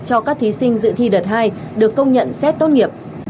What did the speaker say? cho các thí sinh dự thi đợt hai được công nhận xét tốt nghiệp